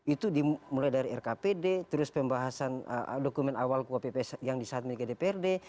itu dimulai dari rkpd terus pembahasan dokumen awal kuappas yang disahkan oleh gdprd